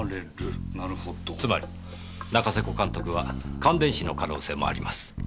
つまり仲瀬古監督は感電死の可能性もあります。